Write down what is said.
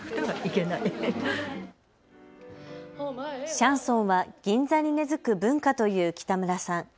シャンソンは銀座に根づく文化という北村さん。